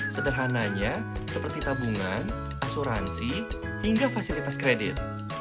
sederhananya seperti tabungan asuransi hingga fasilitas kredit